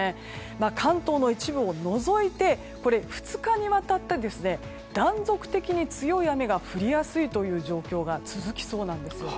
関東の一部を除いて２日にわたって断続的に強い雨が降りやすい状況が続きそうです。